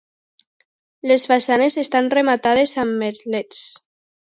Les façanes estan rematades amb merlets.